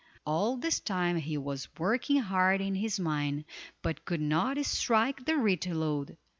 All this time he was working hard in his mine, but could not "strike the rich lode."